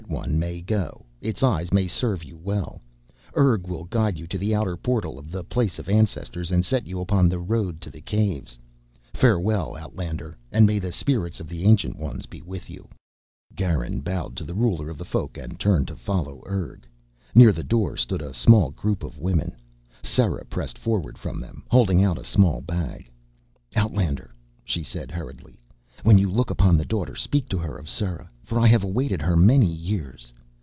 "That one may go, its eyes may serve you well. Urg will guide you to the outer portal of the Place of Ancestors and set you upon the road to the Caves. Farewell, outlander, and may the spirits of the Ancient Ones be with you." Garin bowed to the ruler of the Folk and turned to follow Urg. Near the door stood a small group of women. Sera pressed forward from them, holding out a small bag. "Outlander," she said hurriedly, "when you look upon the Daughter speak to her of Sera, for I have awaited her many years."